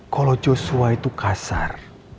kalau joshua itu kasar